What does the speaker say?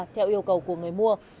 theo yêu cầu của người mua